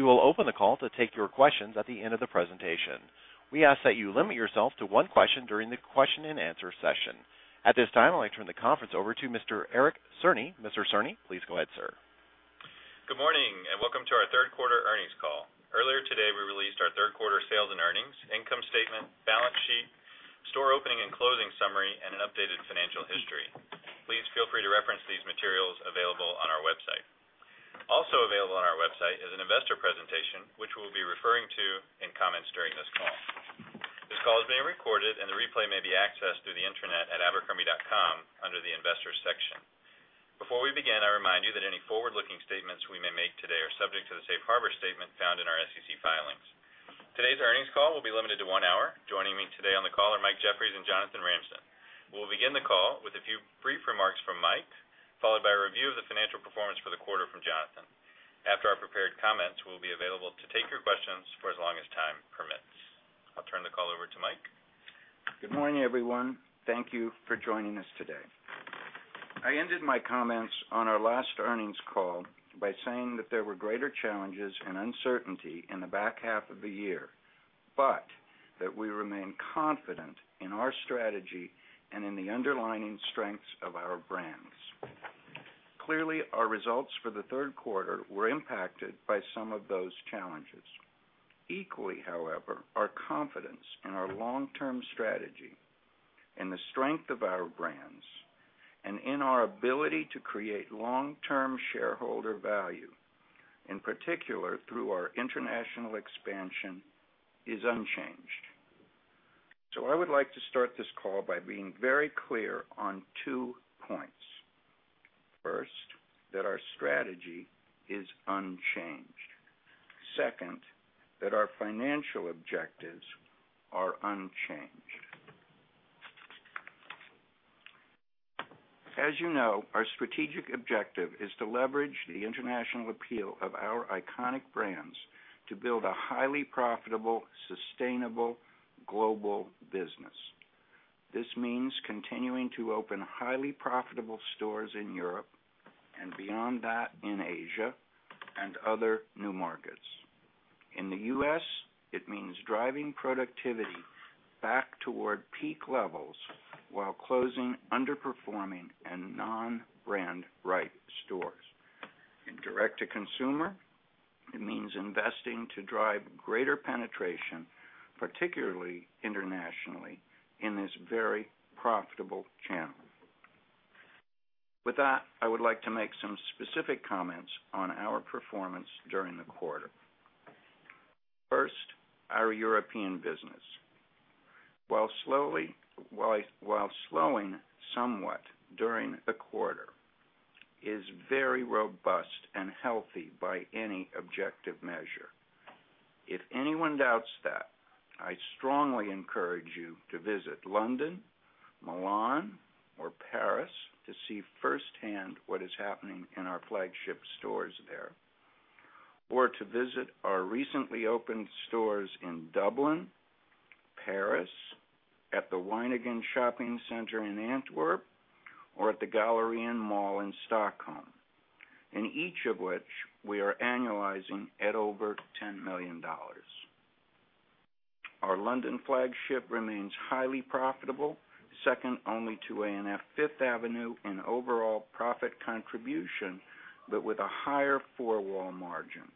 We will open the call to take your questions at the end of the presentation. We ask that you limit yourself to one question during the question-and-answer session. At this time, I'd like to turn the conference over to Mr. Eric Cerny. Mr. Cerny, please go ahead, sir. Good morning and welcome to our Third Quarter Earnings Call. Earlier today, we released our third quarter sales and earnings, income statement, balance sheet, store opening and closing summary, and an updated financial history. Please feel free to reference these materials available on our website. Also available on our website is an Investor Presentation, which we will be referring to in comments during this call. This call is being recorded, and the replay may be accessed through the internet at abercrombie.com under the investors section. Before we begin, I remind you that any forward-looking statements we may make today are subject to the safe harbor statement found in our SEC filings. Today's earnings call will be limited to one hour. Joining me today on the call are Michael Jeffries and Jonathan Ramsden. We'll begin the call with a few brief remarks from Mike, followed by a review of the financial performance for the quarter from Jonathan. After our prepared comments, we'll be available to take your questions for as long as time permits. I'll turn the call over to Mike. Good morning, everyone. Thank you for joining us today. I ended my comments on our last earnings call by saying that there were greater challenges and uncertainty in the back half of the year, but that we remain confident in our strategy and in the underlying strengths of our brands. Clearly, our results for the third quarter were impacted by some of those challenges. Equally, however, our confidence in our long-term strategy, in the strength of our brands, and in our ability to create long-term shareholder value, in particular through our international expansion, is unchanged. I would like to start this call by being very clear on two points. First, that our strategy is unchanged. Second, that our financial objectives are unchanged. As you know, our strategic objective is to leverage the international appeal of our iconic brands to build a highly profitable, sustainable, global business. This means continuing to open highly profitable stores in Europe and beyond that in Asia and other new markets. In the U.S., it means driving productivity back toward peak levels while closing underperforming and non-brand-wide stores. In direct-to-consumer, it means investing to drive greater penetration, particularly internationally, in this very profitable channel. With that, I would like to make some specific comments on our performance during the quarter. First, our European business, while slowing somewhat during the quarter, is very robust and healthy by any objective measure. If anyone doubts that, I strongly encourage you to visit London, Milan, or Paris to see firsthand what is happening in our flagship stores there, or to visit our recently opened stores in Dublin, Paris, at the Winegon Shopping Center in Antwerp, or at the Galleria Mall in Stockholm, in each of which we are annualizing at over $10 million. Our London flagship remains highly profitable, second only to A&F 5th Avenue in overall profit contribution, but with a higher four-wall margin.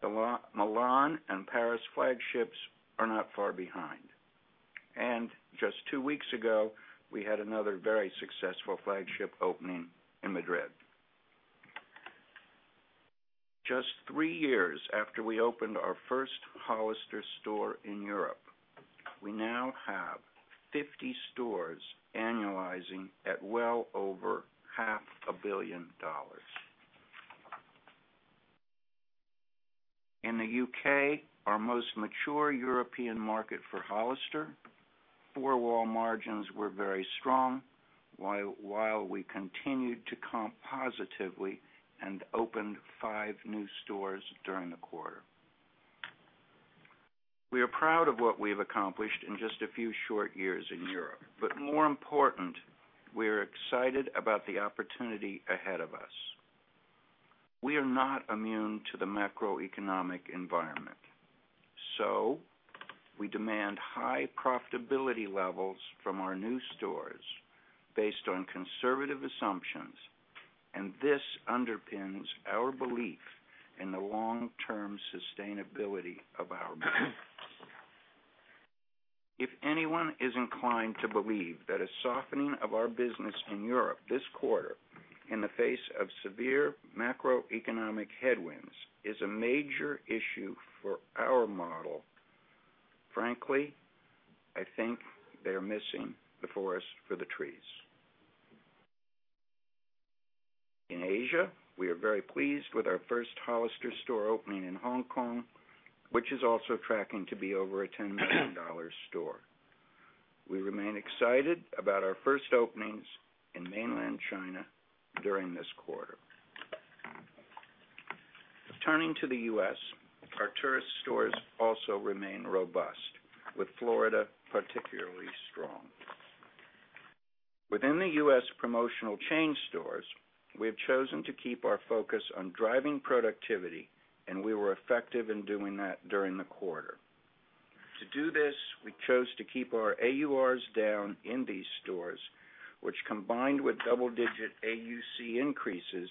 The Milan and Paris flagships are not far behind. Just two weeks ago, we had another very successful flagship opening in Madrid. Just three years after we opened our first Hollister store in Europe, we now have 50 stores annualizing at well over half a billion dollars. In the U.K., our most mature European market for Hollister, four-wall margins were very strong while we continued to comp positively and opened five new stores during the quarter. We are proud of what we've accomplished in just a few short years in Europe. More important, we are excited about the opportunity ahead of us. We are not immune to the macroeconomic environment. We demand high profitability levels from our new stores based on conservative assumptions, and this underpins our belief in the long-term sustainability of our brands. If anyone is inclined to believe that a softening of our business in Europe this quarter in the face of severe macroeconomic headwinds is a major issue for our model, frankly, I think they're missing the forest for the trees. In Asia, we are very pleased with our first Hollister store opening in Hong Kong, which is also tracking to be over a $10 million store. We remain excited about our first openings in mainland China during this quarter. Turning to the U.S., our tourist stores also remain robust, with Florida particularly strong. Within the U.S. promotional chain stores, we have chosen to keep our focus on driving productivity, and we were effective in doing that during the quarter. To do this, we chose to keep our AURs down in these stores, which, combined with double-digit AUC increases,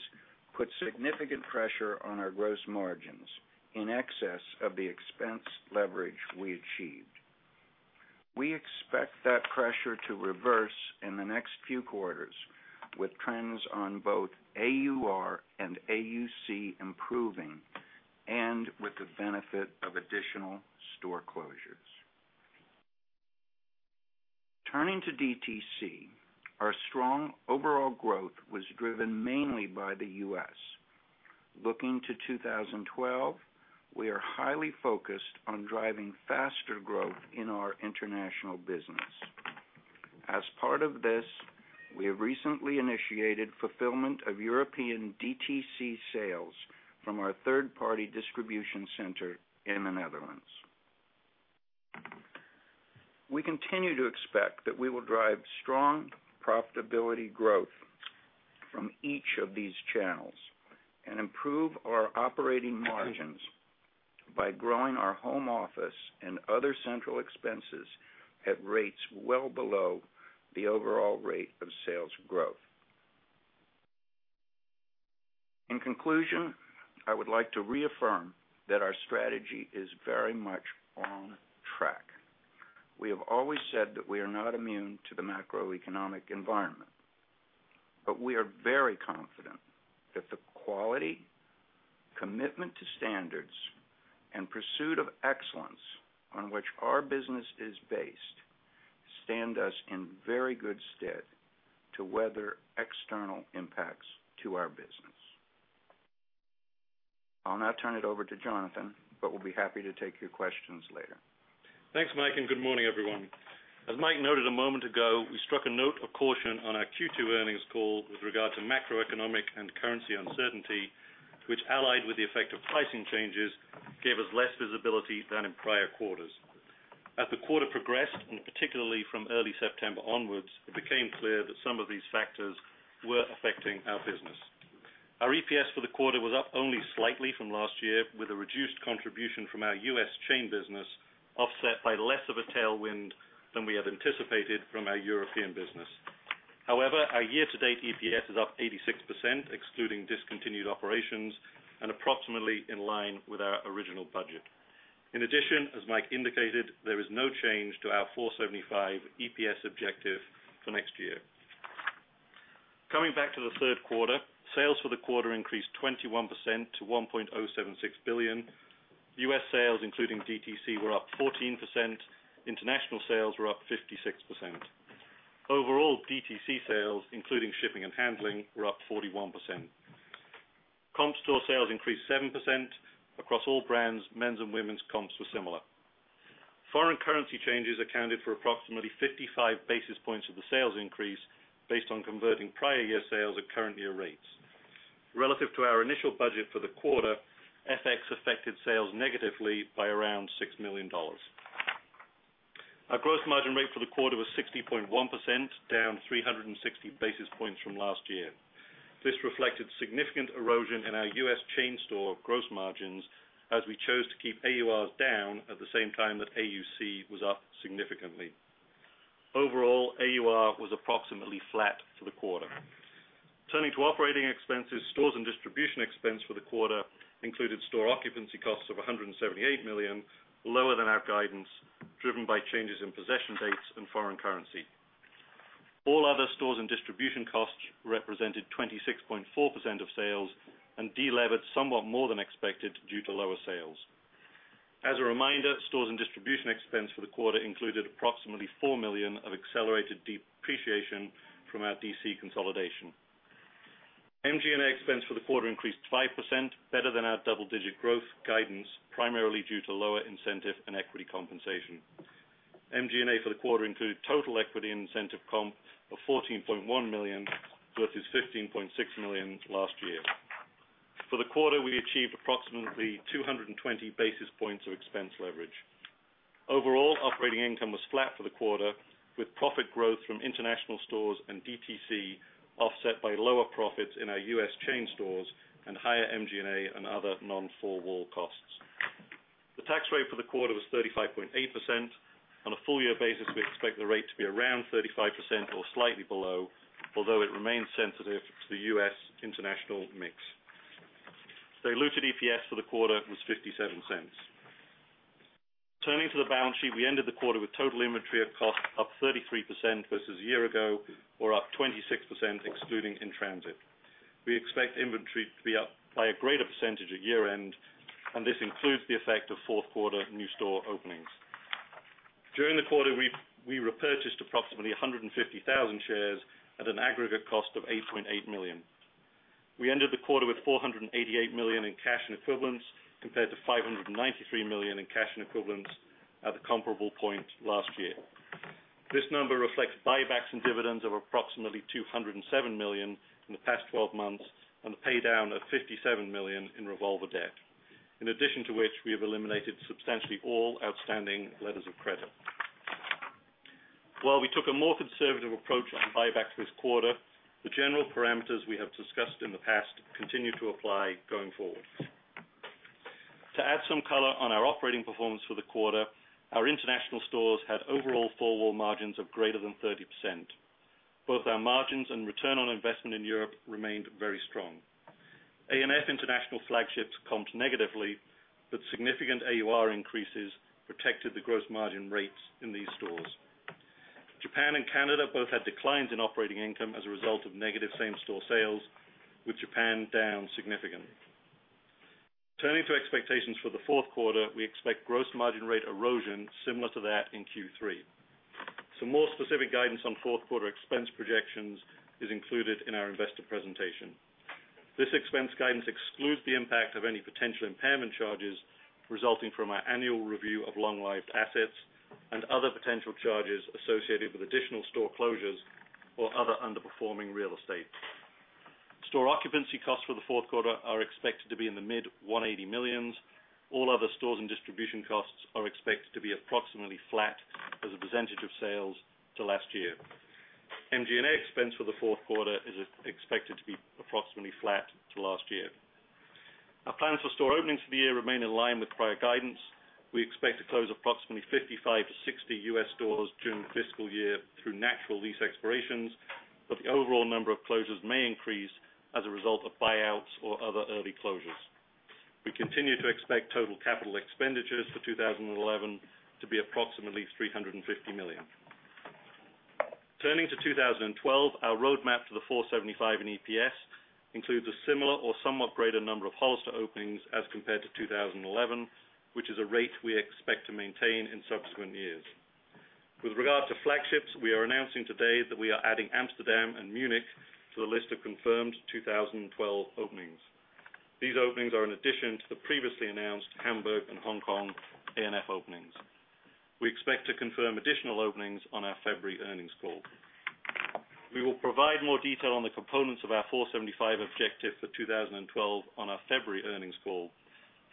put significant pressure on our gross margins in excess of the expense leverage we achieved. We expect that pressure to reverse in the next few quarters, with trends on both AUR and AUC improving and with the benefit of additional store closures. Turning to DTC, our strong overall growth was driven mainly by the U.S. Looking to 2012, we are highly focused on driving faster growth in our international business. As part of this, we have recently initiated fulfillment of European DTC sales from our third-party distribution center in the Netherlands.We continue to expect that we will drive strong profitability growth from each of these channels and improve our operating margins by growing our home office and other central expenses at rates well below the overall rate of sales growth. In conclusion, I would like to reaffirm that our strategy is very much on track. We have always said that we are not immune to the macroeconomic environment. We are very confident that the quality, commitment to standards, and pursuit of excellence on which our business is based stand us in very good stead to weather external impacts to our business. I'll now turn it over to Jonathan, but we'll be happy to take your questions later. Thanks, Mike, and good morning, everyone. As Mike noted a moment ago, we struck a note of caution on our Q2 Earnings Call with regard to macroeconomic and currency uncertainty, which, allied with the effect of pricing changes, gave us less visibility than in prior quarters. As the quarter progressed, and particularly from early September onwards, it became clear that some of these factors were affecting our business. Our EPS for the quarter was up only slightly from last year, with a reduced contribution from our U.S. chain business offset by less of a tailwind than we had anticipated from our European business. However, our year-to-date EPS is up 86%, excluding discontinued operations, and approximately in line with our original budget. In addition, as Mike indicated, there is no change to our $4.75 EPS objective for next year. Coming back to the third quarter, sales for the quarter increased 21% to $1.076 billion. U.S. sales, including DTC sales, were up 14%. International sales were up 56%. Overall, DTC sales, including shipping and handling, were up 41%. Comp store sales increased 7%. Across all brands, men's and women's comps were similar. Foreign currency changes accounted for approximately 55 basis points of the sales increase based on converting prior year sales at current year rates. Relative to our initial budget for the quarter, FX affected sales negatively by around $6 million. Our gross margin rate for the quarter was 60.1%, down 360 basis points from last year. This reflected significant erosion in our U.S. chain store gross margins as we chose to keep average unit retails down at the same time that AUC was up significantly. Overall, AUR was approximately flat for the quarter. Turning to operating expenses, stores and distribution expense for the quarter included store occupancy costs of $178 million, lower than our guidance, driven by changes in possession dates and foreign currency. All other stores and distribution costs represented 26.4% of sales and delevered somewhat more than expected due to lower sales. As a reminder, stores and distribution expense for the quarter included approximately $4 million of accelerated depreciation from our distribution center consolidation. MG&A expense for the quarter increased 5%, better than our double-digit growth guidance, primarily due to lower incentive and equity compensation. MG&A for the quarter included total equity incentive compensation of $14.1 million, versus $15.6 million last year. For the quarter, we achieved approximately 220 basis points of expense leverage. Overall, operating income was flat for the quarter, with profit growth from international stores and DTC offset by lower profits in our U.S. chain stores and higher MG&A and other non-four-wall costs. The tax rate for the quarter was 35.8%. On a full-year basis, we expect the rate to be around 35% or slightly below, although it remains sensitive to the U.S. international mix. Diluted EPS for the quarter was $0.57. Turning to the balance sheet, we ended the quarter with total inventory at cost up 33% versus a year ago, or up 26% excluding in transit. We expect inventory to be up by a greater percentage at year-end, and this includes the effect of fourth quarter new store openings. During the quarter, we repurchased approximately 150,000 shares at an aggregate cost of $8.8 million. We ended the quarter with $488 million in cash and equivalents compared to $593 million in cash and equivalents at the comparable point last year. This number reflects buybacks and dividends of approximately $207 million in the past 12 months and the paydown of $57 million in revolver debt, in addition to which we have eliminated substantially all outstanding letters of credit. While we took a more conservative approach on buybacks this quarter, the general parameters we have discussed in the past continue to apply going forward. To add some color on our operating performance for the quarter, our international stores had overall four-wall margins of greater than 30%. Both our margins and return on investment in Europe remained very strong. A&F international flagships comped negatively, but significant AUR increases protected the gross margin rates in these stores. Japan and Canada both had declines in operating income as a result of negative same-store sales, with Japan down significantly. Turning to expectations for the fourth quarter, we expect gross margin rate erosion similar to that in Q3. Some more specific guidance on fourth quarter expense projections is included in our investor presentation. This expense guidance excludes the impact of any potential impairment charges resulting from our annual review of long-lived assets and other potential charges associated with additional store closures or other underperforming real estate. Store occupancy costs for the fourth quarter are expected to be in the mid $180 million. All other stores and distribution costs are expected to be approximately flat as a percentage of sales to last year. MG&A expense for the fourth quarter is expected to be approximately flat to last year. Our plans for store openings for the year remain in line with prior guidance. We expect to close approximately 55-60 U.S. stores during the fiscal year through natural lease expirations, but the overall number of closures may increase as a result of buyouts or other early closures. We continue to expect total capital expenditures for 2011 to be approximately $350 million. Turning to 2012, our roadmap to the $4.75 in EPS includes a similar or somewhat greater number of Hollister openings as compared to 2011, which is a rate we expect to maintain in subsequent years. With regard to flagships, we are announcing today that we are adding Amsterdam and Munich to the list of confirmed 2012 openings. These openings are in addition to the previously announced Hamburg and Hong Kong A&F openings. We expect to confirm additional openings on our February earnings call. We will provide more detail on the components of our $4.75 objective for 2012 on our February earnings call.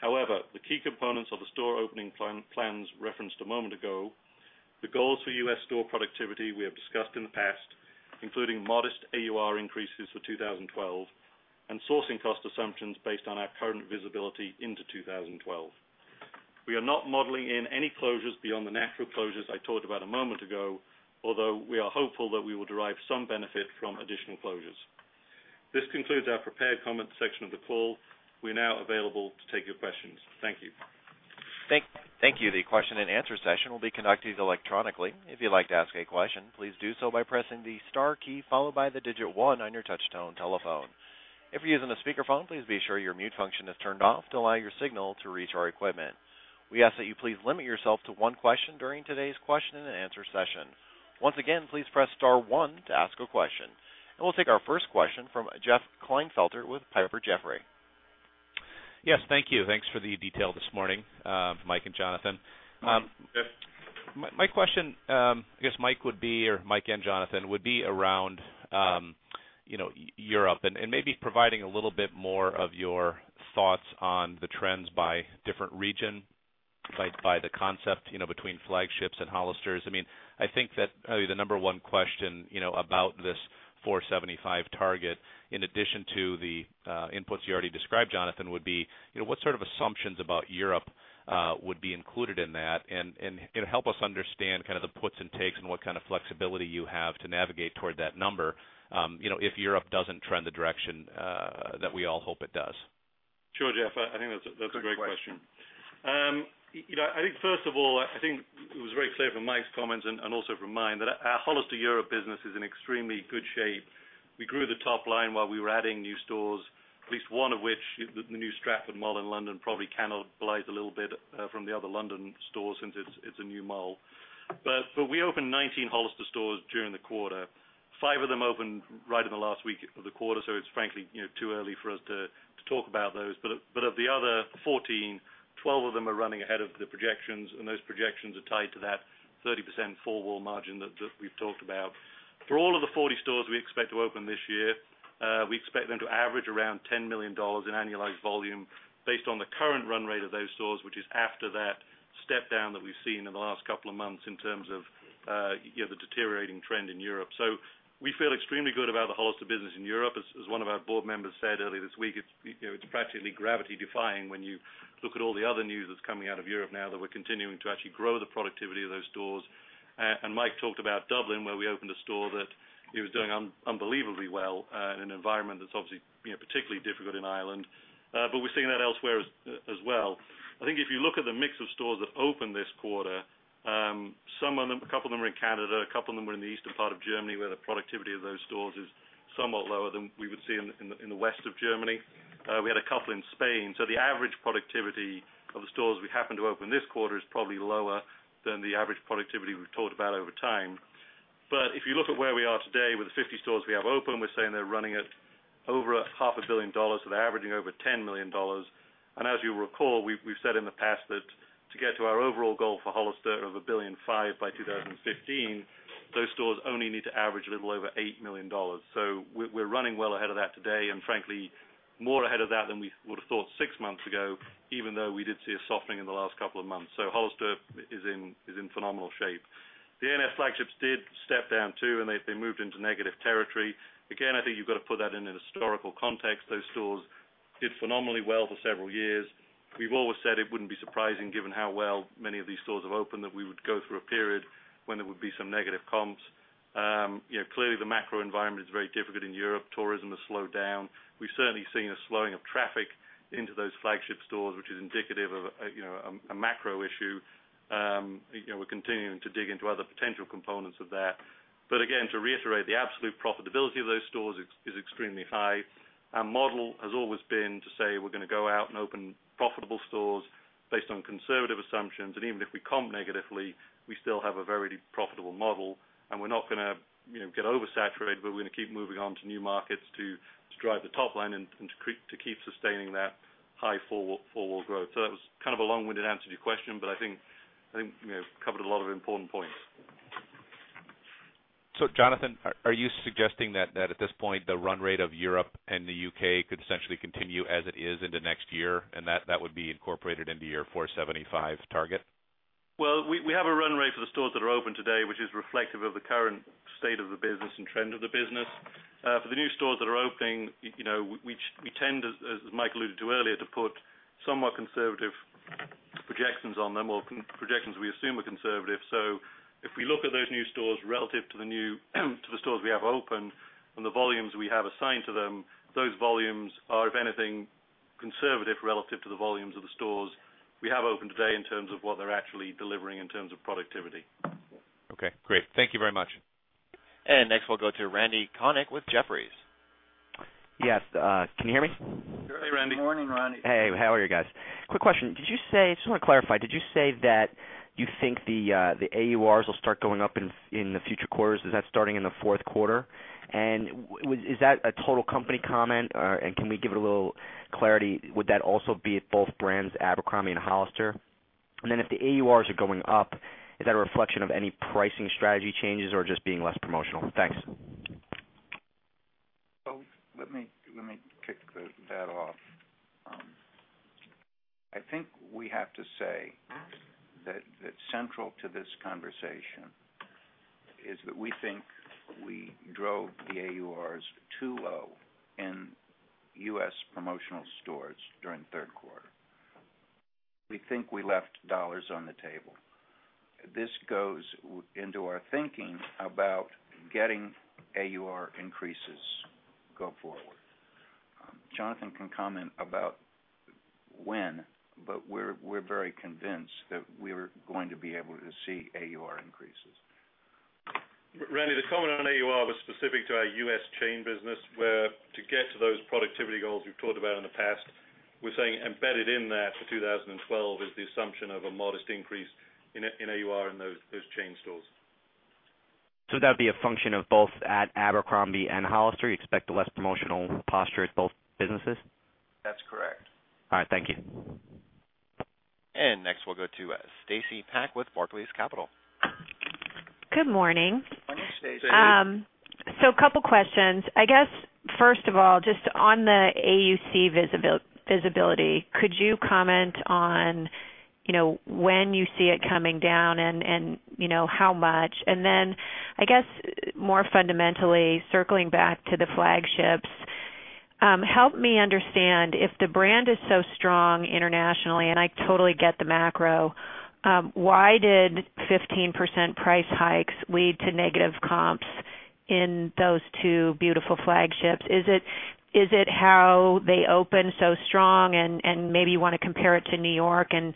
However, the key components of the store opening plans referenced a moment ago, the goals for U.S. store productivity we have discussed in the past, including modest AUR increases for 2012, and sourcing cost assumptions based on our current visibility into 2012. We are not modeling in any closures beyond the natural closures I talked about a moment ago, although we are hopeful that we will derive some benefit from additional closures. This concludes our prepared comment section of the call. We're now available to take your questions. Thank you. Thank you. The question and answer session will be conducted electronically. If you'd like to ask a question, please do so by pressing the star key followed by the digit one on your touch-tone telephone. If you're using a speakerphone, please be sure your mute function is turned off to allow your signal to reach our equipment. We ask that you please limit yourself to one question during today's question-and-answer session. Once again, please press star one to ask a question. We'll take our first question from Jeff Kleinfelter with Piper Jaffray. Yes, thank you. Thanks for the detail this morning, Mike and Jonathan. My question, I guess, Mike would be, or Mike and Jonathan, would be around Europe and maybe providing a little bit more of your thoughts on the trends by different regions, by the concept, you know, between flagships and Hollisters. I think that probably the number one question about this 475 target, in addition to the inputs you already described, Jonathan, would be what sort of assumptions about Europe would be included in that and help us understand kind of the puts and takes and what kind of flexibility you have to navigate toward that number if Europe doesn't trend the direction that we all hope it does. Sure, Jeff. I think that's a great question. I think, first of all, it was very clear from Mike's comments and also from mine that our Hollister Europe business is in extremely good shape. We grew the top line while we were adding new stores, at least one of which, the new Stratford Mall in London, probably cannibalized a little bit from the other London stores since it's a new mall. We opened 19 Hollister stores during the quarter. Five of them opened right in the last week of the quarter, so it's frankly too early for us to talk about those. Of the other 14, 12 of them are running ahead of the projections, and those projections are tied to that 30% four-wall margin that we've talked about. For all of the 40 stores we expect to open this year, we expect them to average around $10 million in annualized volume based on the current run rate of those stores, which is after that step down that we've seen in the last couple of months in terms of the deteriorating trend in Europe. We feel extremely good about the Hollister business in Europe. As one of our board members said earlier this week, it's practically gravity-defying when you look at all the other news that's coming out of Europe now that we're continuing to actually grow the productivity of those stores. Mike talked about Dublin, where we opened a store that was doing unbelievably well in an environment that's obviously particularly difficult in Ireland. We're seeing that elsewhere as well. I think if you look at the mix of stores that opened this quarter, a couple of them were in Canada, a couple of them were in the eastern part of Germany, where the productivity of those stores is somewhat lower than we would see in the west of Germany. We had a couple in Spain. The average productivity of the stores we happen to open this quarter is probably lower than the average productivity we've talked about over time. If you look at where we are today with the 50 stores we have open, we're saying they're running at over half a billion dollars, so they're averaging over $10 million. As you'll recall, we've said in the past that to get to our overall goal for Hollister of $1.5 billion by 2015, those stores only need to average a little over $8 million. We're running well ahead of that today and frankly more ahead of that than we would have thought six months ago, even though we did see a softening in the last couple of months. Hollister is in phenomenal shape. The A&F flagships did step down too, and they moved into negative territory. Again, I think you've got to put that in a historical context. Those stores did phenomenally well for several years. We've always said it wouldn't be surprising, given how well many of these stores have opened, that we would go through a period when there would be some negative comps. Clearly, the macro environment is very difficult in Europe. Tourism has slowed down. We've certainly seen a slowing of traffic into those flagship stores, which is indicative of a macro issue. We're continuing to dig into other potential components of that. Again, to reiterate, the absolute profitability of those stores is extremely high. Our model has always been to say we're going to go out and open profitable stores based on conservative assumptions. Even if we comp negatively, we still have a very profitable model. We're not going to get oversaturated, but we're going to keep moving on to new markets to drive the top line and to keep sustaining that high four-wall growth. That was kind of a long-winded answer to your question, but I think you covered a lot of important points. Jonathan, are you suggesting that at this point the run rate of Europe and the UK could essentially continue as it is into next year and that that would be incorporated into your $475 million target? We have a run rate for the stores that are open today, which is reflective of the current state of the business and trend of the business. For the new stores that are opening, you know we tend, as Mike alluded to earlier, to put somewhat conservative projections on them, or projections we assume are conservative. If we look at those new stores relative to the stores we have open and the volumes we have assigned to them, those volumes are, if anything, conservative relative to the volumes of the stores we have open today in terms of what they're actually delivering in terms of productivity. OK, great. Thank you very much. Next, we'll go to Randy Konik with Jefferies. Yes, can you hear me? Good morning, Randy. Hey, how are you guys? Quick question. Did you say, I just want to clarify, did you say that you think the AURs will start going up in the future quarters? Is that starting in the fourth quarter? Is that a total company comment? Can we give it a little clarity? Would that also be at both brands, Abercrombie and Hollister? If the AURs are going up, is that a reflection of any pricing strategy changes or just being less promotional? Thanks. I think we have to say that central to this conversation is that we think we drove the AURs too low in U.S. promotional stores during the third quarter. We think we left dollars on the table. This goes into our thinking about getting AUR increases going forward. Jonathan can comment about when, but we're very convinced that we're going to be able to see AUR increases. Randy, the comment on AUR was specific to our U.S. chain business, where to get to those productivity goals we've talked about in the past, we're saying embedded in that for 2012 is the assumption of a modest increase in AUR in those chain stores. Would that be a function of both at Abercrombie and Hollister? You expect a less promotional posture at both businesses? That's correct. All right, thank you. Next, we'll go to Stacy Pak with Barclays Capital. Good morning. Morning, Stacy. A couple of questions. First of all, just on the AUC visibility, could you comment on when you see it coming down and how much? More fundamentally, circling back to the flagships, help me understand, if the brand is so strong internationally, and I totally get the macro, why did 15% price hikes lead to negative comps in those two beautiful flagships? Is it how they open so strong and maybe you want to compare it to New York and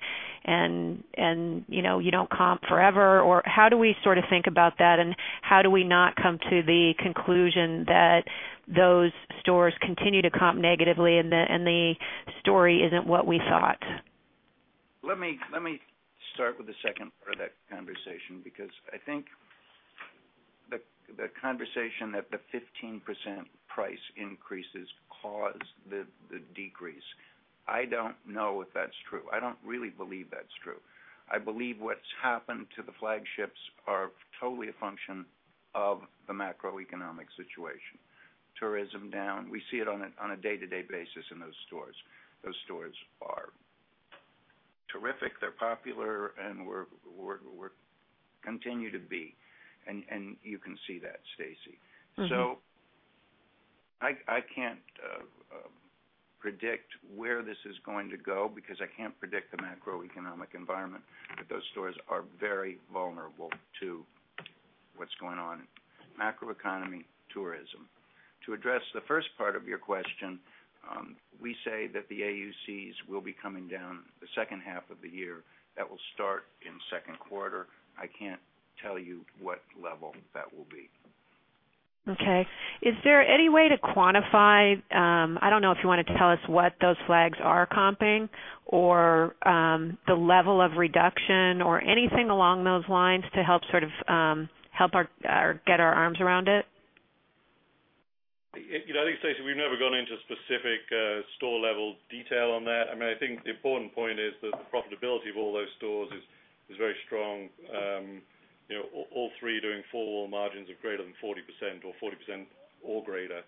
you don't comp forever? How do we sort of think about that? How do we not come to the conclusion that those stores continue to comp negatively and the story isn't what we thought? Let me start with the second part of that conversation because I think the conversation that the 15% price increases caused the decrease, I don't know if that's true. I don't really believe that's true. I believe what's happened to the flagships is totally a function of the macroeconomic situation. Tourism down, we see it on a day-to-day basis in those stores. Those stores are terrific, they're popular and continue to be. You can see that, Stacy. I can't predict where this is going to go because I can't predict the macroeconomic environment, but those stores are very vulnerable to what's going on in the macro economy, tourism. To address the first part of your question, we say that the AUCs will be coming down the second half of the year. That will start in the second quarter. I can't tell you what level that will be. OK. Is there any way to quantify? I don't know if you want to tell us what those flags are comping or the level of reduction or anything along those lines to help sort of help or get our arms around it? I think, Stacia, we've never gone into specific store-level detail on that. I mean, I think the important point is that the profitability of all those stores is very strong. All three are doing four-wall margins of 40% or greater.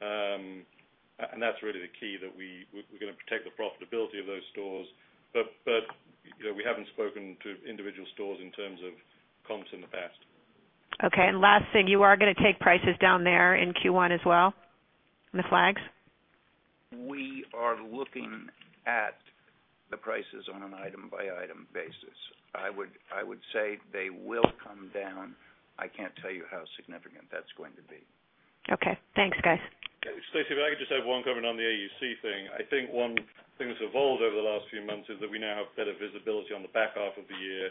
That's really the key, that we're going to protect the profitability of those stores. We haven't spoken to individual stores in terms of comps in the past. OK. Last thing, you are going to take prices down there in Q1 as well, in the flags? We are looking at the prices on an item-by-item basis. I would say they will come down. I can't tell you how significant that's going to be. OK. Thanks, guys. Stacy, if I could just have one comment on the AUC thing. I think one thing that's evolved over the last few months is that we now have better visibility on the back half of the year.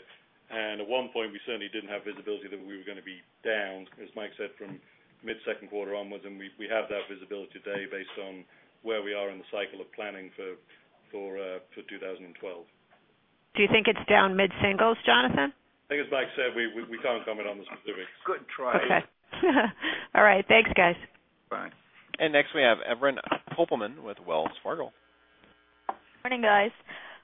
At one point, we certainly didn't have visibility that we were going to be down, as Mike said, from mid-second quarter onwards. We have that visibility today based on where we are in the cycle of planning for 2012. Do you think it's down mid-singles, Jonathan? I think, as Michael Jeffries said, we can't comment on the specifics. Good try. OK. All right, thanks, guys. Bye. Next, we have Evelyn Glukhoman with Wells Fargo. Morning, guys.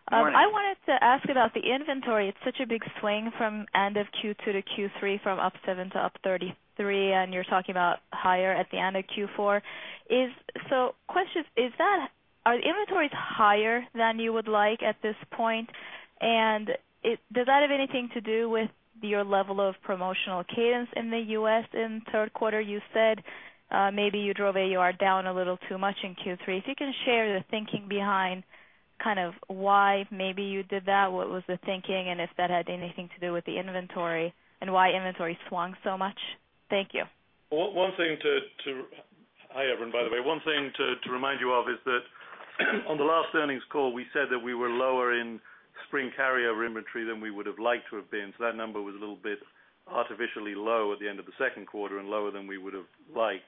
I wanted to ask about the inventory. It's such a big swing from end of Q2 to Q3, from up 7% to up 33%, and you're talking about higher at the end of Q4. The question is, are the inventories higher than you would like at this point? Does that have anything to do with your level of promotional cadence in the U.S. in third quarter? You said maybe you drove AUR down a little too much in Q3. If you can share the thinking behind kind of why maybe you did that, what was the thinking, and if that had anything to do with the inventory and why inventory swung so much. Thank you. One thing to—hi, Evelyn, by the way—one thing to remind you of is that on the last earnings call, we said that we were lower in spring carryover inventory than we would have liked to have been. That number was a little bit artificially low at the end of the second quarter and lower than we would have liked.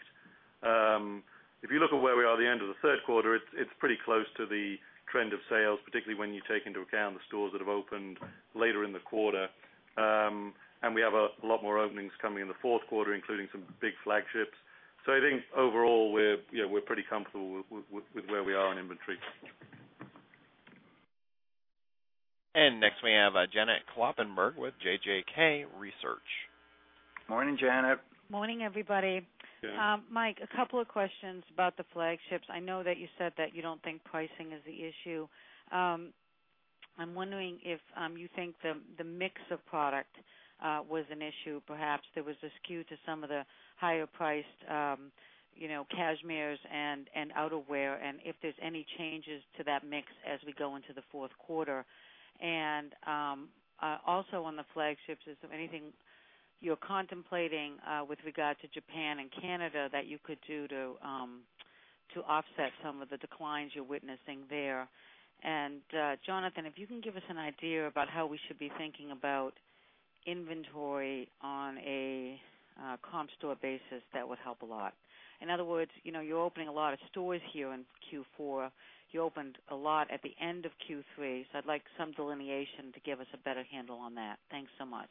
If you look at where we are at the end of the third quarter, it's pretty close to the trend of sales, particularly when you take into account the stores that have opened later in the quarter. We have a lot more openings coming in the fourth quarter, including some big flagships. I think overall, we're pretty comfortable with where we are on inventory. Next, we have Janet Kloppenburg with JJK Research. Morning, Janet. Morning, everybody. Good. Mike, a couple of questions about the flagships. I know that you said that you don't think pricing is the issue. I'm wondering if you think the mix of product was an issue. Perhaps there was a skew to some of the higher-priced cashmeres and outerwear, and if there's any changes to that mix as we go into the fourth quarter. Also, on the flagships, is there anything you're contemplating with regard to Japan and Canada that you could do to offset some of the declines you're witnessing there? Jonathan, if you can give us an idea about how we should be thinking about inventory on a comp store basis, that would help a lot. In other words, you know you're opening a lot of stores here in Q4. You opened a lot at the end of Q3, so I'd like some delineation to give us a better handle on that. Thanks so much.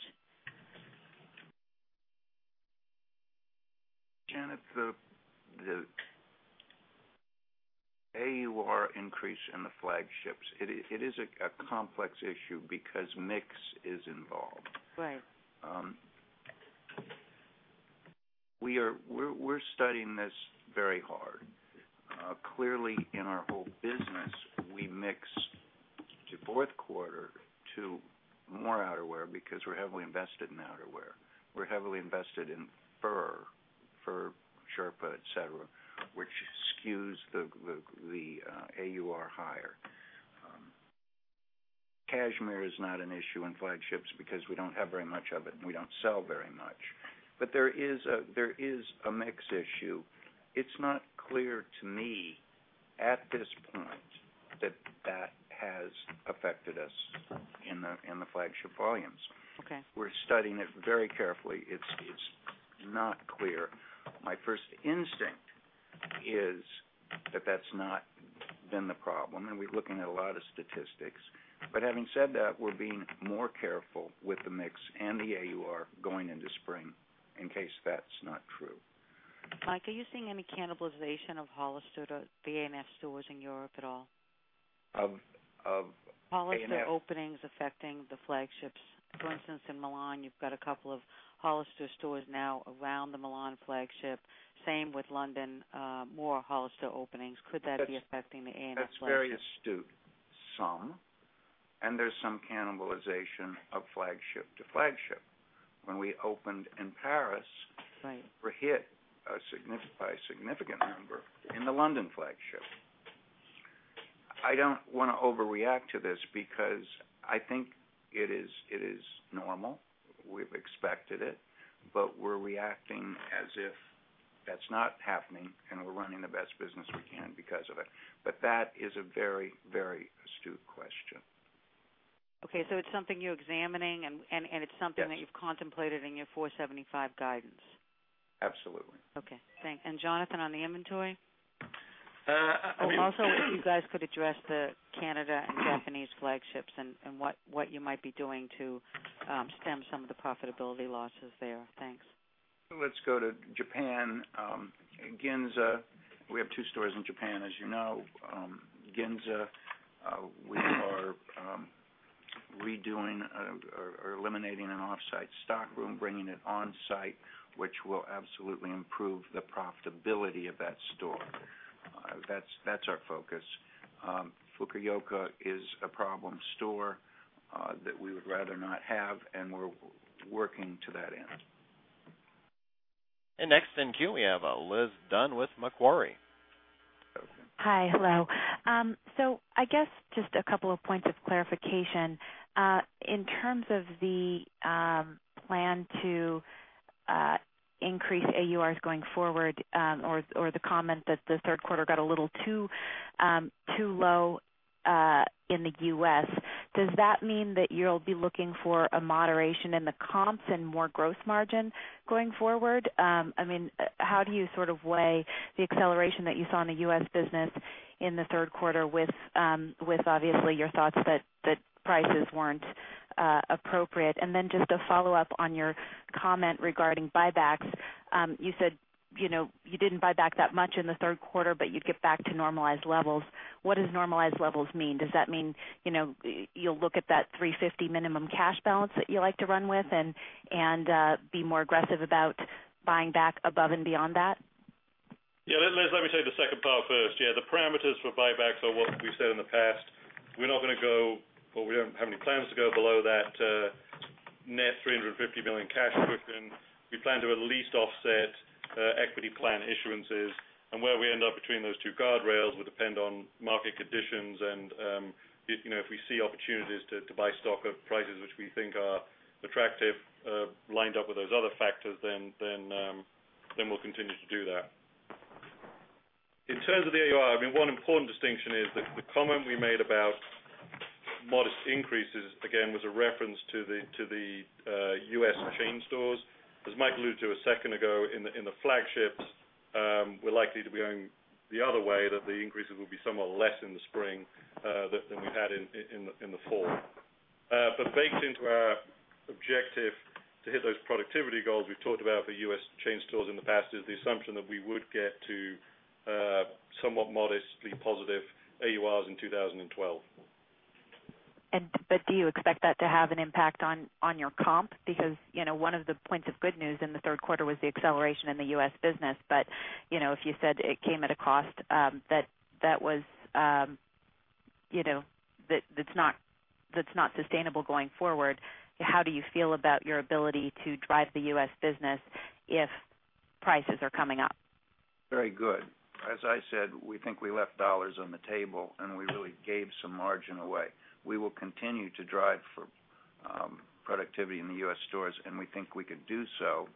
Janet, the AUR increase in the flagships, it is a complex issue because mix is involved. Right. We're studying this very hard. Clearly, in our whole business, we mix the fourth quarter to more outerwear because we're heavily invested in outerwear. We're heavily invested in fur, sherpa, et cetera, which skews the AUR higher. Cashmere is not an issue in flagships because we don't have very much of it and we don't sell very much. There is a mix issue. It's not clear to me at this point that that has affected us in the flagship volumes. OK. We're studying this very carefully. It's not clear. My first instinct is that that's not been the problem. We're looking at a lot of statistics. Having said that, we're being more careful with the mix and the AUR going into spring in case that's not true. Mike, are you seeing any cannibalization of Hollister to the BNS stores in Europe at all? Of? Hollister openings affecting the flagships. For instance, in Milan, you've got a couple of Hollister stores now around the Milan flagship. Same with London, more Hollister openings. Could that be affecting the A&F flagships? That's very astute. There's some cannibalization of flagship to flagship. When we opened in Paris, we were hit by a significant number in the London flagship. I don't want to overreact to this because I think it is normal. We've expected it. We're reacting as if that's not happening and we're running the best business we can because of it. That is a very, very astute question. OK. It is something you're examining, and it's something that you've contemplated in your $475 million guidance. Absolutely. OK. Thanks. Jonathan, on the inventory? If you guys could address the Canada and Japanese flagships and what you might be doing to stem some of the profitability losses there. Thanks. Let's go to Japan. Ginza, we have two stores in Japan, as you know. Ginza, we are redoing or eliminating an offsite stock room, bringing it onsite, which will absolutely improve the profitability of that store. That's our focus. Fukuoka is a problem store that we would rather not have, and we're working to that end. Next, in queue, we have Liz Dunn with Macquarie. Hi. Hello. I guess just a couple of points of clarification. In terms of the plan to increase AURs going forward or the comment that the third quarter got a little too low in the U.S., does that mean that you'll be looking for a moderation in the comps and more gross margin going forward? I mean, how do you sort of weigh the acceleration that you saw in the U.S. business in the third quarter with, obviously, your thoughts that prices weren't appropriate? Then just the follow-up on your comment regarding buybacks. You said you didn't buy back that much in the third quarter, but you get back to normalized levels. What does normalized levels mean? Does that mean you'll look at that $350 million minimum cash balance that you like to run with and be more aggressive about buying back above and beyond that? Yeah, Liz, let me take the second part first. The parameters for buybacks are what we've said in the past. We're not going to go, or we don't have any plans to go below that net $350 million cash footprint. We plan to at least offset equity plan issuances. Where we end up between those two guardrails would depend on market conditions. If we see opportunities to buy stock at prices which we think are attractive, lined up with those other factors, then we'll continue to do that. In terms of the AUR, one important distinction is that the comment we made about modest increases, again, was a reference to the U.S. chain stores. As Mike alluded to a second ago, in the flagships, we're likely to be going the other way, that the increases will be somewhat less in the spring than we've had in the fall. Baked into our objective to hit those productivity goals we've talked about for U.S. chain stores in the past is the assumption that we would get to somewhat modestly positive AURs in 2012. Do you expect that to have an impact on your comp? One of the points of good news in the third quarter was the acceleration in the U.S. business. If you said it came at a cost that's not sustainable going forward, how do you feel about your ability to drive the U.S. business if prices are coming up? Very good. As I said, we think we left dollars on the table, and we really gave some margin away. We will continue to drive productivity in the U.S. stores, and we think we could do so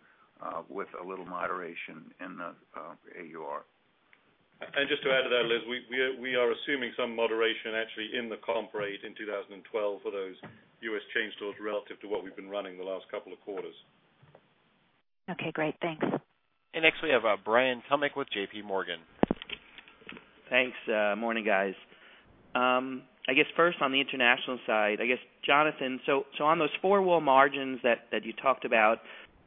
with a little moderation in the AUR. To add to that, Liz, we are assuming some moderation actually in the comp rate in 2012 for those U.S. chain stores relative to what we've been running the last couple of quarters. OK, great. Thanks. Next, we have Brian Vlaminck with JPMorgan Chase & Co. Thanks. Morning, guys. I guess first on the international side, Jonathan, on those four-wall margins that you talked about,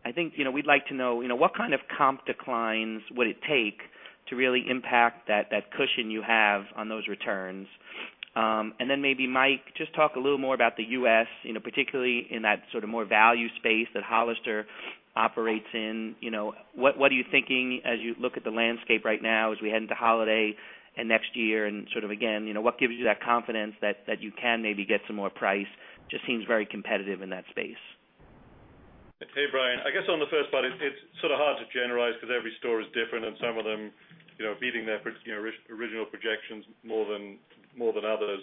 I think we'd like to know what kind of comp declines would it take to really impact that cushion you have on those returns? Mike, just talk a little more about the U.S., particularly in that sort of more value space that Hollister operates in. What are you thinking as you look at the landscape right now as we head into holiday and next year? What gives you that confidence that you can maybe get some more price? It just seems very competitive in that space. Hey, Brian. I guess on the first part, it's sort of hard to generalize because every store is different, and some of them are beating their original projections more than others.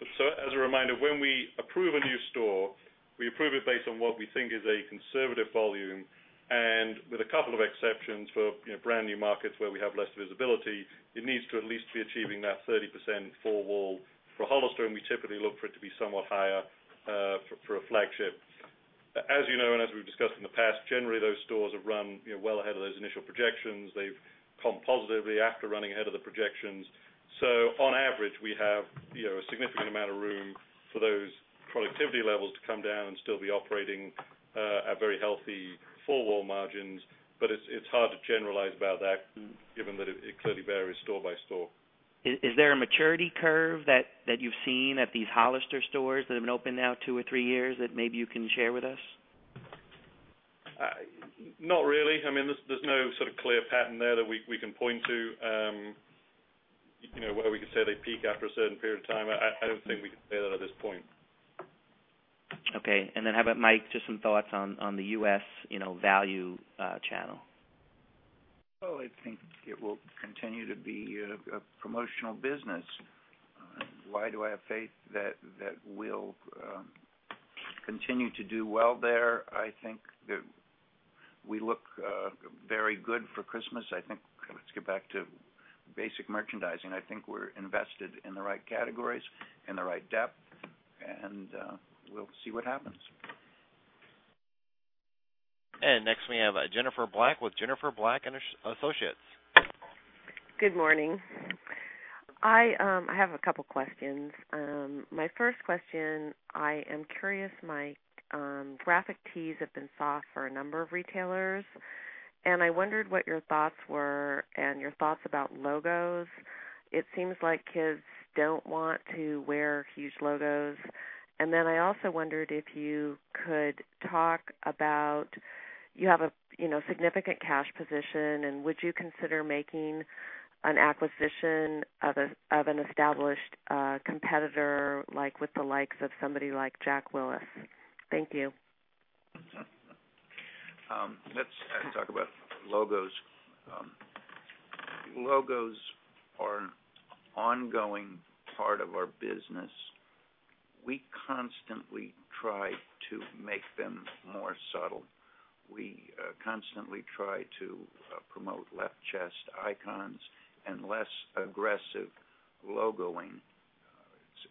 As a reminder, when we approve a new store, we approve it based on what we think is a conservative volume. With a couple of exceptions for brand new markets where we have less visibility, it needs to at least be achieving that 30% four-wall. For Hollister, we typically look for it to be somewhat higher for a flagship. As you know, and as we've discussed in the past, generally, those stores have run well ahead of those initial projections. They've comped positively after running ahead of the projections. On average, we have a significant amount of room for those productivity levels to come down and still be operating at very healthy four-wall margins. It's hard to generalize about that, given that it clearly varies store by store. Is there a maturity curve that you've seen at these Hollister stores that have been open now two or three years that maybe you can share with us? Not really. I mean, there's no sort of clear pattern there that we can point to where we could say they peak after a certain period of time. I don't think we could say that at this point. OK. Mike, just some thoughts on the U.S. value channel? I think it will continue to be a promotional business. Why do I have faith that that will continue to do well there? I think that we look very good for Christmas. I think let's get back to basic merchandising. I think we're invested in the right categories and the right depth, and we'll see what happens. Next, we have Jennifer Black with Jennifer Black & Associates. Good morning. I have a couple of questions. My first question, I am curious, Mike, graphic tees have been sought for a number of retailers, and I wondered what your thoughts were and your thoughts about logos. It seems like kids don't want to wear huge logos. I also wondered if you could talk about you have a significant cash position, and would you consider making an acquisition of an established competitor, like with the likes of somebody like Jack Wills? Thank you. Let's talk about logos. Logos are an ongoing part of our business. We constantly try to make them more subtle. We constantly try to promote left chest icons and less aggressive logoing.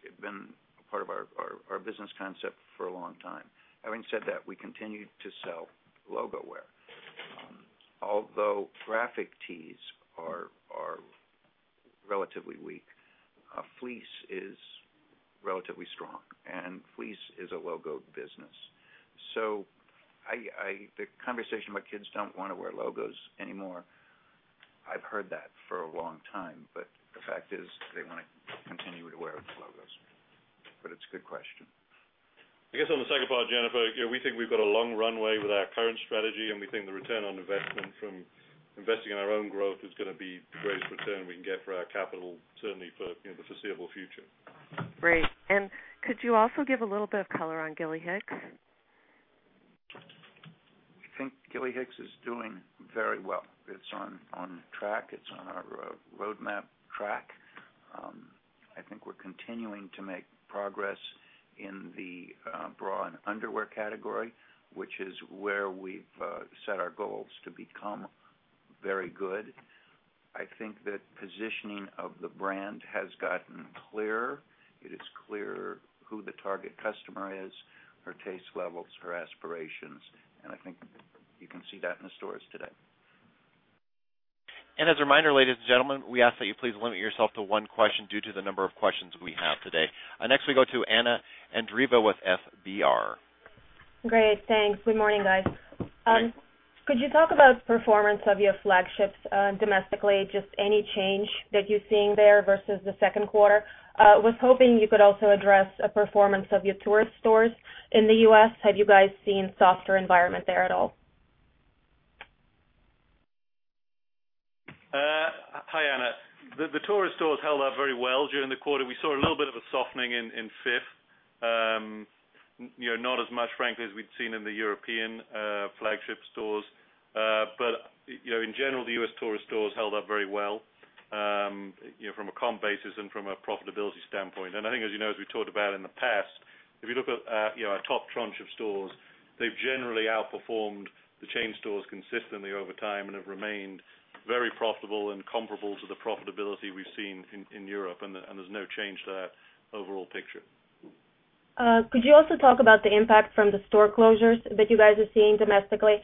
It's been a part of our business concept for a long time. Having said that, we continue to sell logo-ware. Although graphic tees are relatively weak, fleece is relatively strong. Fleece is a logoed business. The conversation about kids don't want to wear logos anymore, I've heard that for a long time. The fact is they want to continue to wear logos. It's a good question. I guess on the second part, Jennifer, we think we've got a long runway with our current strategy, and we think the return on investment from investing in our own growth is going to be the greatest return we can get for our capital, certainly for the foreseeable future. Great. Could you also give a little bit of color on Gilly Hicks? I think Gilly Hicks is doing very well. It's on track. It's on our roadmap track. I think we're continuing to make progress in the bra and underwear category, which is where we've set our goals to become very good. I think that positioning of the brand has gotten clearer. It is clear who the target customer is, her taste levels, her aspirations. I think you can see that in the stores today. As a reminder, ladies and gentlemen, we ask that you please limit yourself to one question due to the number of questions we have today. Next, we go to Anna Andreeva with FBR. Great, thanks. Good morning, guys. Could you talk about the performance of your flagships domestically? Just any change that you're seeing there versus the second quarter? I was hoping you could also address the performance of your tourist stores in the U.S. Have you guys seen a softer environment there at all? Hi, Anna. The tourist stores held up very well during the quarter. We saw a little bit of a softening in fifth, not as much, frankly, as we'd seen in the European flagship stores. In general, the U.S. tourist stores held up very well from a comp basis and from a profitability standpoint. I think, as you know, as we've talked about in the past, if you look at our top tranche of stores, they've generally outperformed the chain stores consistently over time and have remained very profitable and comparable to the profitability we've seen in Europe. There's no change to that overall picture. Could you also talk about the impact from the store closures that you guys are seeing domestically?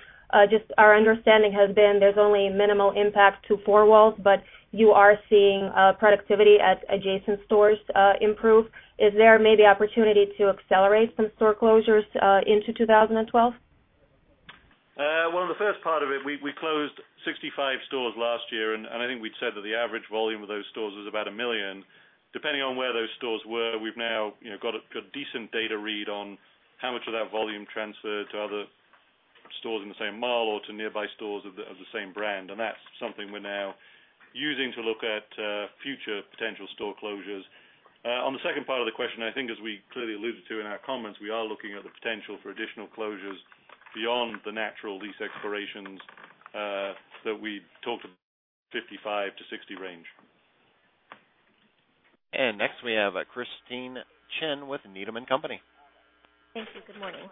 Just our understanding has been there's only minimal impact to four-wall margins, but you are seeing productivity at adjacent stores improve. Is there maybe opportunity to accelerate some store closures into 2012? In the first part of it, we closed 65 stores last year. I think we'd said that the average volume of those stores was about $1 million. Depending on where those stores were, we've now got a decent data read on how much of that volume transferred to other stores in the same mall or to nearby stores of the same brand. That's something we're now using to look at future potential store closures. On the second part of the question, I think, as we clearly alluded to in our comments, we are looking at the potential for additional closures beyond the natural lease expirations that we talked about, in the 55-60 range. Next, we have Christine Chen with Needham & Company. Thank you. Good morning.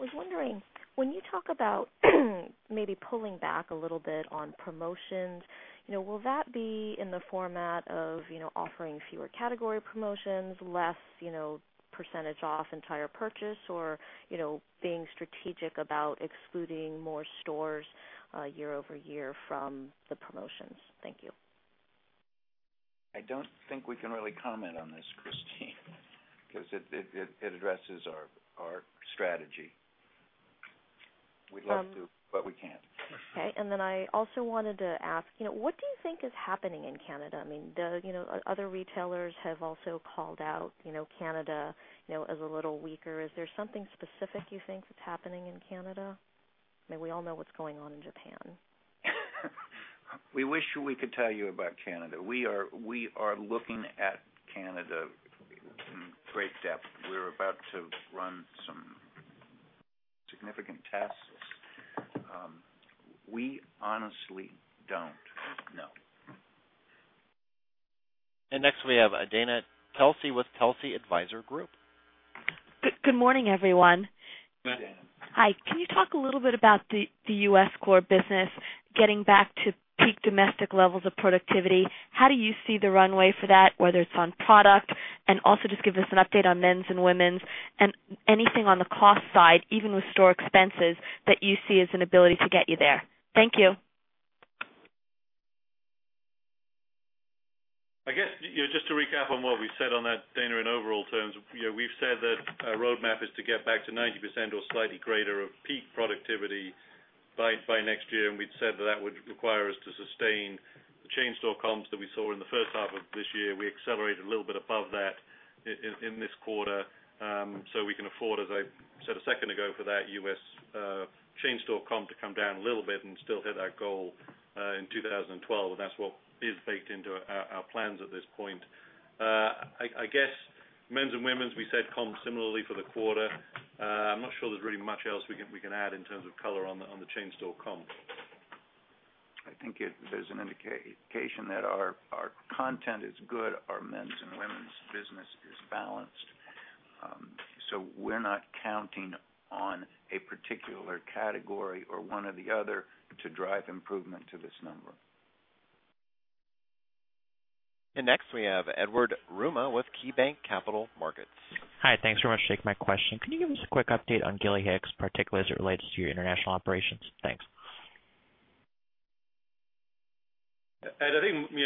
I was wondering, when you talk about maybe pulling back a little bit on promotions, will that be in the format of offering fewer category promotions, less % off entire purchase, or being strategic about excluding more stores year over year from the promotions? Thank you. I don't think we can really comment on this, Christine, because it addresses our strategy. We'd love to, but we can't. OK. I also wanted to ask, what do you think is happening in Canada? I mean, other retailers have also called out Canada as a little weaker. Is there something specific you think that's happening in Canada? I mean, we all know what's going on in Japan. We wish we could tell you about Canada. We are looking at Canada in great depth. We're about to run some significant tests. We honestly don't know. Next, we have Dana Telsey with Telsey Advisory Group. Good morning, everyone. Hi, Dana. Hi. Can you talk a little bit about the U.S. core business getting back to peak domestic levels of productivity? How do you see the runway for that, whether it's on product? Also, just give us an update on men's and women's and anything on the cost side, even with store expenses, that you see as an ability to get you there. Thank you. I guess just to recap on what we've said on that, Dana, in overall terms, we've said that the roadmap is to get back to 90% or slightly greater of peak productivity by next year. We'd said that that would require us to sustain the chain store comps that we saw in the first half of this year. We accelerated a little bit above that in this quarter, so we can afford, as I said a second ago, for that U.S. chain store comp to come down a little bit and still hit that goal in 2012. That's what is baked into our plans at this point. I guess men's and women's, we said comp similarly for the quarter. I'm not sure there's really much else we can add in terms of color on the chain store comps. I think there's an indication that our content is good. Our men's and women's business is balanced, so we're not counting on a particular category or one or the other to drive improvement to this number. Next, we have Edward Yruma with KeyBank Capital Markets. Hi. Thanks very much for taking my question. Can you give us a quick update on Gilly Hicks, particularly as it relates to your international operations? Thanks.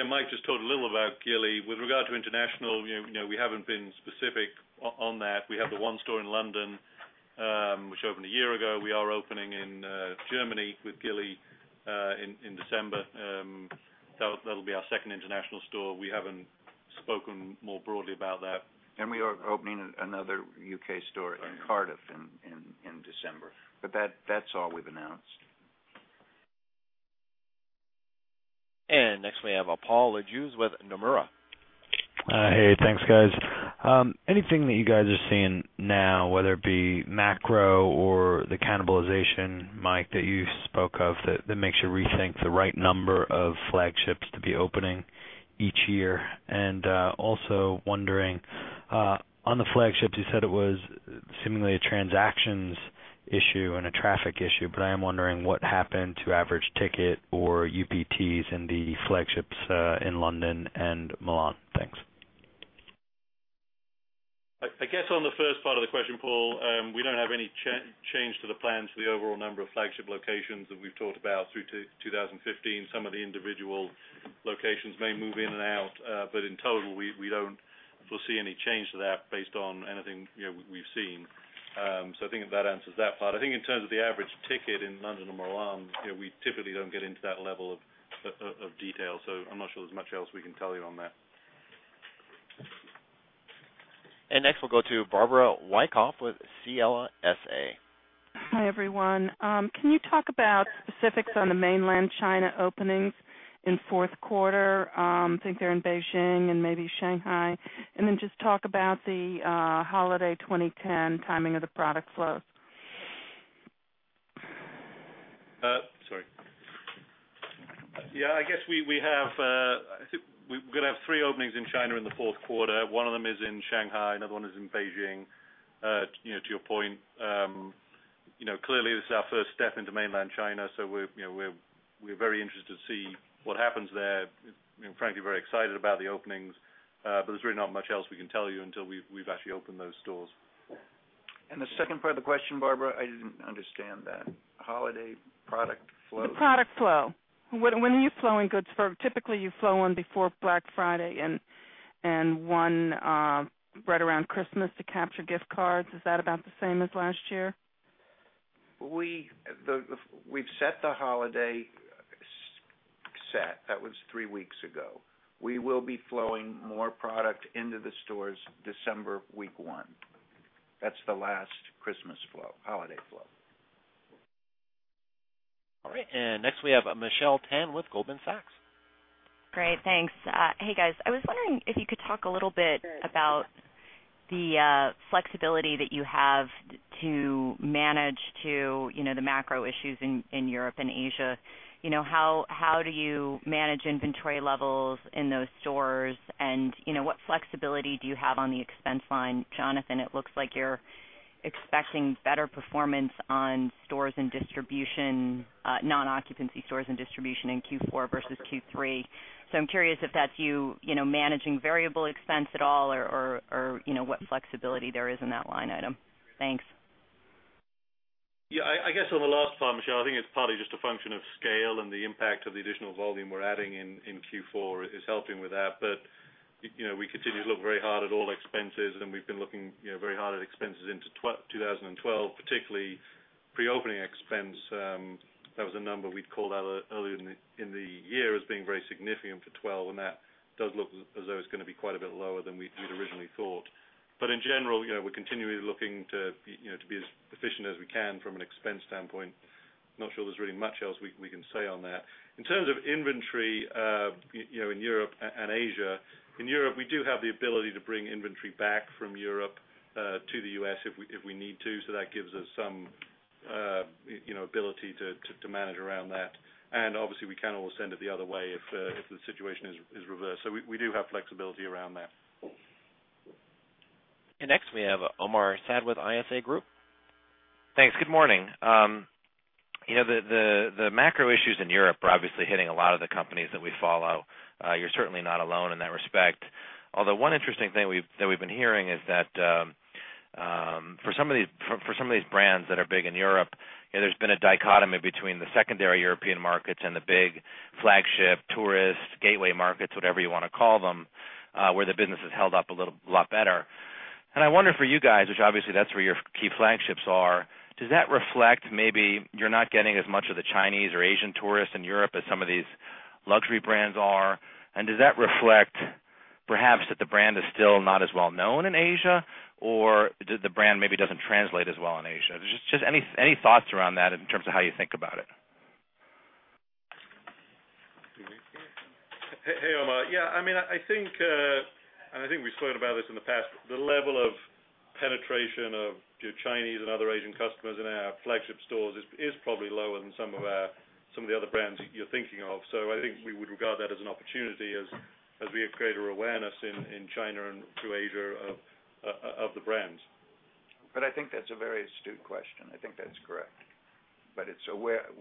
Mike just talked a little about Gilly Hicks with regard to international. We haven't been specific on that. We have the one store in London, which opened a year ago. We are opening in Germany with Gilly Hicks in December. That'll be our second international store. We haven't spoken more broadly about that. We are opening another U.K. store in Cardiff in December. That is all we've announced. Next, we have Paul Lejuez with Nomura. Hey, thanks, guys. Anything that you guys are seeing now, whether it be macro or the cannibalization, Mike, that you spoke of that makes you rethink the right number of flagships to be opening each year? Also wondering, on the flagships, you said it was seemingly a transactions issue and a traffic issue. I am wondering what happened to average ticket or UPTs in the flagships in London and Milan. Thanks. I guess on the first part of the question, Paul, we don't have any change to the plans for the overall number of flagship locations that we've talked about through 2015. Some of the individual locations may move in and out, but in total, we don't foresee any change to that based on anything we've seen. I think that answers that part. In terms of the average ticket in London and Milan, we typically don't get into that level of detail, so I'm not sure there's much else we can tell you on that. Next, we'll go to Barbara Wyckoff with CLSA. Hi, everyone. Can you talk about specifics on the mainland China openings in the fourth quarter? I think they're in Beijing and maybe Shanghai. Also, talk about the holiday 2010 timing of the product flows. Yeah, I guess we're going to have three openings in China in the fourth quarter. One of them is in Shanghai. Another one is in Beijing. To your point, clearly, this is our first step into mainland China. We're very interested to see what happens there. We're frankly very excited about the openings. There's really not much else we can tell you until we've actually opened those stores. The second part of the question, Barbara, I didn't understand that. Holiday product flow? The product flow. When are you flowing goods for? Typically, you flow one before Black Friday and one right around Christmas to capture gift cards. Is that about the same as last year? We've set the holiday set. That was three weeks ago. We will be flowing more product into the stores December week one. That's the last Christmas flow, holiday flow. All right. Next, we have Michelle Tan with Goldman Sachs. Great, thanks. Hey, guys. I was wondering if you could talk a little bit about the flexibility that you have to manage the macro issues in Europe and Asia. You know, how do you manage inventory levels in those stores? What flexibility do you have on the expense line? Jonathan, it looks like you're expecting better performance on stores in distribution, non-occupancy stores in distribution in Q4 versus Q3. I'm curious if that's you managing variable expense at all or what flexibility there is in that line item. Thanks. Yeah, I guess on the last part, Michelle, I think it's partly just a function of scale and the impact of the additional volume we're adding in Q4 is helping with that. We continue to look very hard at all expenses. We've been looking very hard at expenses into 2012, particularly pre-opening expense. That was a number we'd called out earlier in the year as being very significant for 2012. That does look as though it's going to be quite a bit lower than we'd originally thought. In general, we're continually looking to be as efficient as we can from an expense standpoint. I'm not sure there's really much else we can say on that. In terms of inventory in Europe and Asia, in Europe, we do have the ability to bring inventory back from Europe to the U.S. if we need to. That gives us some ability to manage around that. Obviously, we can always send it the other way if the situation is reversed. We do have flexibility around that. Next, we ha`ve Omar Saad with ISI Group. Thanks. Good morning. The macro issues in Europe are obviously hitting a lot of the companies that we follow. You're certainly not alone in that respect. One interesting thing that we've been hearing is that for some of these brands that are big in Europe, there's been a dichotomy between the secondary European markets and the big flagship tourist gateway markets, whatever you want to call them, where the business has held up a lot better. I wonder for you guys, which obviously that's where your key flagships are, does that reflect maybe you're not getting as much of the Chinese or Asian tourists in Europe as some of these luxury brands are? Does that reflect perhaps that the brand is still not as well known in Asia? Or the brand maybe doesn't translate as well in Asia? Any thoughts around that in terms of how you think about it? Hey, Omar. I think, and I think we've spoken about this in the past, the level of penetration of Chinese and other Asian customers in our flagship stores is probably lower than some of the other brands you're thinking of. I think we would regard that as an opportunity as we create our awareness in China and through Asia of the brands. I think that's a very astute question. I think that's correct.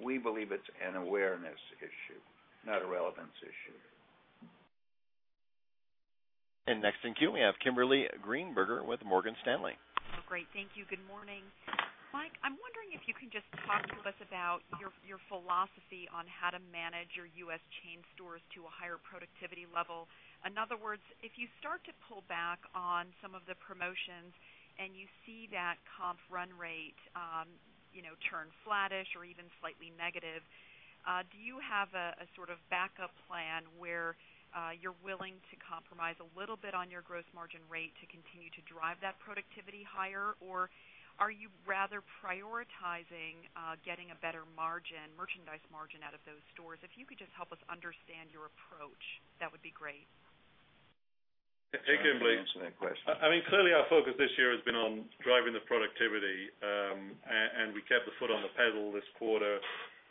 We believe it's an awareness issue, not a relevance issue. Next, in queue, we have Kimberly Greenberger with Morgan Stanley. Thank you. Good morning. Mike, I'm wondering if you can just talk to us about your philosophy on how to manage your U.S. chain stores to a higher productivity level. In other words, if you start to pull back on some of the promotions and you see that comp run rate turn flatish or even slightly negative, do you have a sort of backup plan where you're willing to compromise a little bit on your gross margin rate to continue to drive that productivity higher? Or are you rather prioritizing getting a better merchandise margin out of those stores? If you could just help us understand your approach, that would be great. Hey, Kimberly. Answer that question. Clearly, our focus this year has been on driving the productivity. We kept the foot on the pedal this quarter.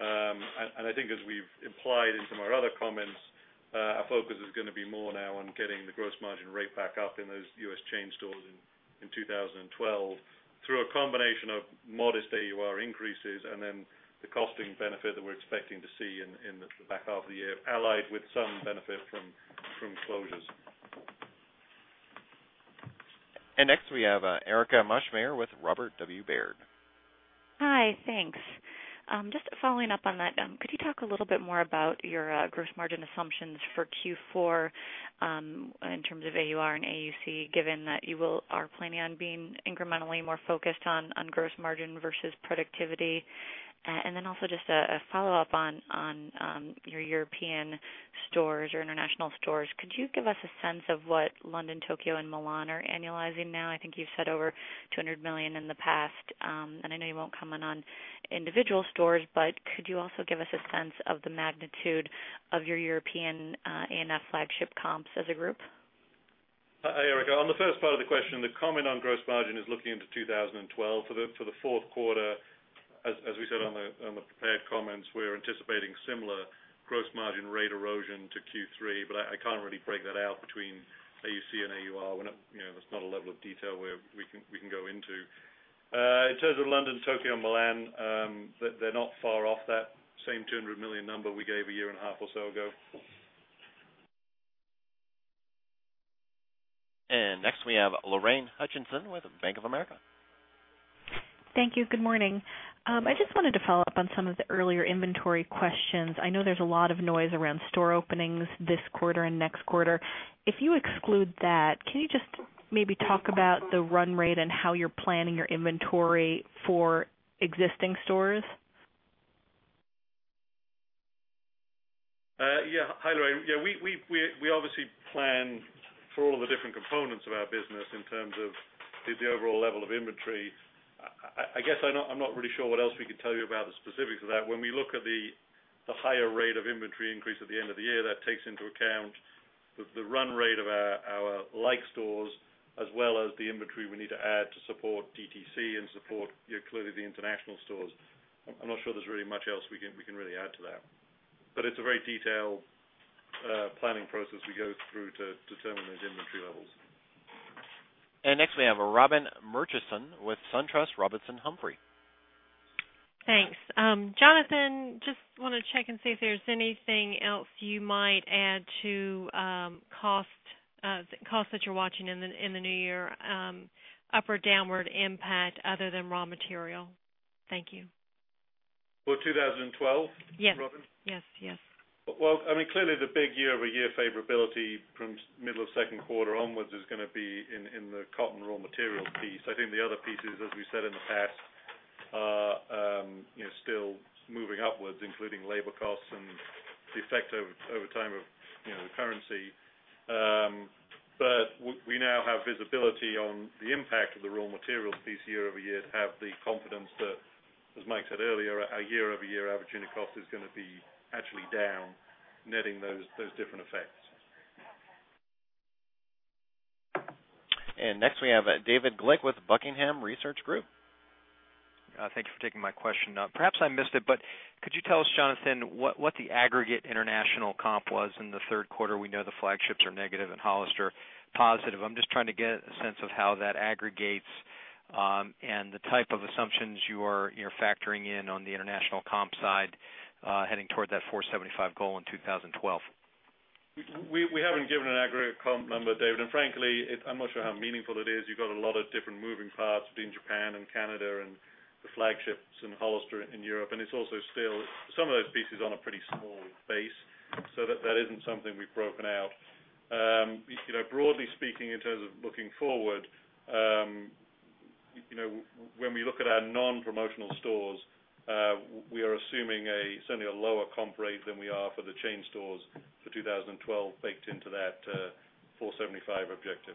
As we've implied in some of our other comments, our focus is going to be more now on getting the gross margin rate back up in those U.S. chain stores in 2012 through a combination of modest AUR increases and then the costing benefit that we're expecting to see in the back half of the year, allied with some benefit from closures. Next, we have Erica Moshmer with Robert W. Baird. Hi, thanks. Just following up on that, could you talk a little bit more about your gross margin assumptions for Q4 in terms of AUR and AUC, given that you are planning on being incrementally more focused on gross margin versus productivity? Also, just a follow-up on your European stores or international stores. Could you give us a sense of what London, Tokyo, and Milan are annualizing now? I think you've said over $200 million in the past. I know you won't comment on individual stores, but could you also give us a sense of the magnitude of your European A&F flagship comps as a group? Hi, Erica. On the first part of the question, the comment on gross margin is looking into 2012 for the fourth quarter. As we said on the prepared comments, we're anticipating similar gross margin rate erosion to Q3. I can't really break that out between AUC and AUR. That's not a level of detail we can go into. In terms of London, Tokyo, and Milan, they're not far off that same $200 million number we gave a year and a half or so ago. Next, we have Lorraine Hutchinson with Bank of America. Thank you. Good morning. I just wanted to follow up on some of the earlier inventory questions. I know there's a lot of noise around store openings this quarter and next quarter. If you exclude that, can you just maybe talk about the run rate and how you're planning your inventory for existing stores? Yeah. Hi, Lorraine. Yeah, we obviously plan for all of the different components of our business in terms of the overall level of inventory. I'm not really sure what else we could tell you about the specifics of that. When we look at the higher rate of inventory increase at the end of the year, that takes into account the run rate of our like stores as well as the inventory we need to add to support direct-to-consumer sales and to support clearly the international stores. I'm not sure there's really much else we can really add to that. It's a very detailed planning process we go through to determine those inventory levels. Next, we have Robin Murchison with SunTrust Robinson Humphrey. Thanks. Jonathan, just want to check and see if there's anything else you might add to costs that you're watching in the new year, up or downward impact other than raw material. Thank you. For 2012? Yes. Robin? Yes, yes. Clearly, the big year-over-year favorability from middle of second quarter onwards is going to be in the cotton raw materials piece. I think the other pieces, as we've said in the past, are still moving upwards, including labor costs and the effect over time of the currency. We now have visibility on the impact of the raw materials piece year-over-year to have the confidence that, as Mike said earlier, our year-over-year average unit cost is going to be actually down, netting those different effects. Next, we have David Glick with Buckingham Research Group. Thank you for taking my question. Perhaps I missed it, but could you tell us, Jonathan, what the aggregate international comp was in the third quarter? We know the flagships are negative and Hollister positive. I'm just trying to get a sense of how that aggregates and the type of assumptions you are factoring in on the international comp side heading toward that 475 goal in 2012. We haven't given an aggregate comp number, David. Frankly, I'm not sure how meaningful it is. You've got a lot of different moving parts between Japan and Canada and the flagships and Hollister in Europe. It's also still some of those pieces on a pretty small base. That isn't something we've broken out. Broadly speaking, in terms of looking forward, when we look at our non-promotional stores, we are assuming certainly a lower comp rate than we are for the chain stores for 2012 baked into that 475 objective.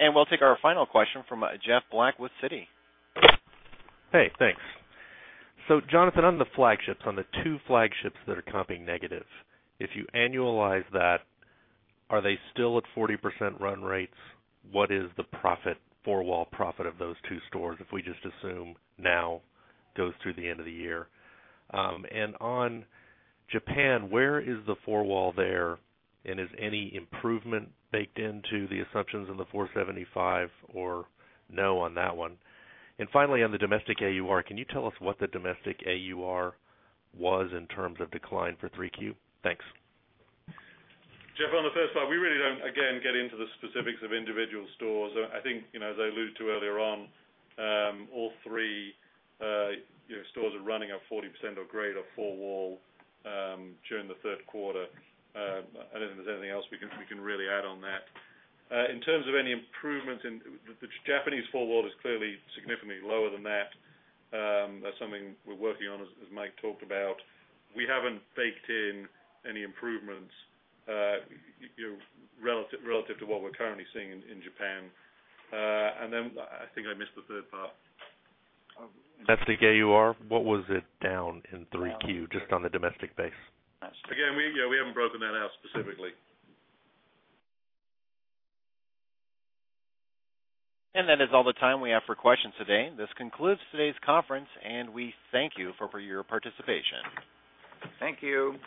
We'll take our final question from Jeff Black with Citi. Hey, thanks. Jonathan, on the flagships, on the two flagships that are comping negative, if you annualize that, are they still at 40% run rates? What is the profit, four-wall profit of those two stores if we just assume now goes through the end of the year? On Japan, where is the four-wall there? Is any improvement baked into the assumptions of the 475 or no on that one? Finally, on the domestic AUR, can you tell us what the domestic AUR was in terms of decline for 3Q? Thanks. Jeff, on the first part, we really don't, again, get into the specifics of individual stores. I think, as I alluded to earlier on, all three stores are running at 40% or greater four-wall during the third quarter. I don't think there's anything else we can really add on that. In terms of any improvements, the Japanese four-wall is clearly significantly lower than that. That's something we're working on, as Mike talked about. We haven't baked in any improvements relative to what we're currently seeing in Japan. I think I missed the third part. Domestic AUR, what was it down in 3Q, just on the domestic base? Again, yeah, we haven't broken that out specifically. That is all the time we have for questions today. This concludes today's conference, and we thank you for your participation. Thank you.